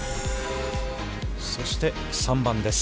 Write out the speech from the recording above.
そして３番です。